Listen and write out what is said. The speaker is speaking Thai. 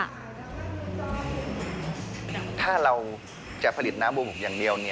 ถ้าเราจะผลิตน้ำบุหกอย่างเดียว